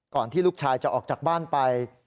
ที่ลูกชายจะออกจากบ้านไป